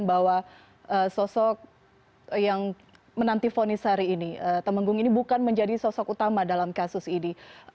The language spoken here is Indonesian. bahwa sosok yang menanti fonis hari ini temenggung ini bukan menjadi sosok utama dalam kasus ini